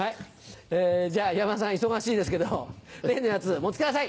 じゃあ山田さん忙しいですけど例のやつ持って来てください。